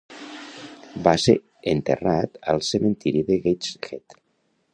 Va ser enterrat al cementeri de Gateshead.